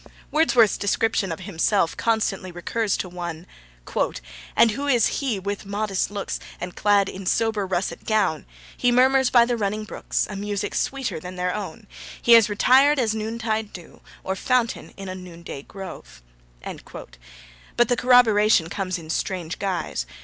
Wordsworth's description of himself constantly recurs to one: And who is he with modest looks, And clad in sober russet gown? He murmurs by the running brooks, A music sweeter than their own; He is retired as noontide dew, Or fountain in a noonday grove. But the corroboration comes in strange guise.